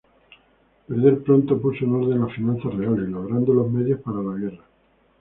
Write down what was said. Peder pronto puso en orden las finanzas reales, logrando los medios para la guerra.